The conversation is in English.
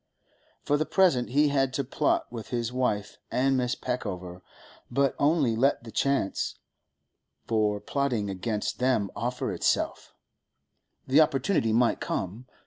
For the present he had to plot with his wife and Mrs. Peckover, but only let the chance for plotting against them offer itself! The opportunity might come.